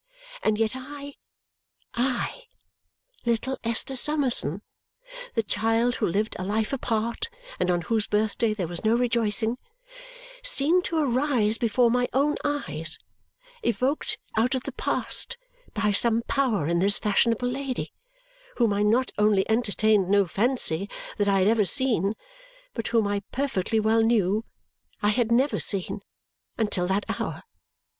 And yet I I, little Esther Summerson, the child who lived a life apart and on whose birthday there was no rejoicing seemed to arise before my own eyes, evoked out of the past by some power in this fashionable lady, whom I not only entertained no fancy that I had ever seen, but whom I perfectly well knew I had never seen until that hour.